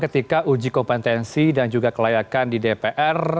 ketika uji kompetensi dan juga kelayakan di dpr